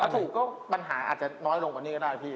ถูกก็ปัญหาอาจจะน้อยลงกว่านี้ก็ได้พี่